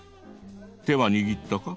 手は握ったか？